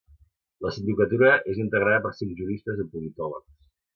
La sindicatura és integrada per cinc juristes o politòlegs.